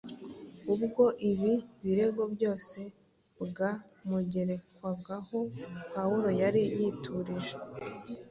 Ubwo ibi birego byose bwamugerekwagaho Pawulo yari yiturije.